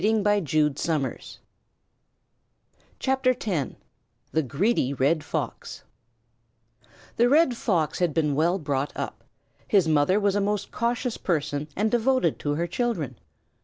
THE GREEDY RED FOX The Red Fox had been well brought up. His mother was a most cautious person and devoted to her children.